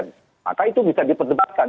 maka itu bisa diperdebatkan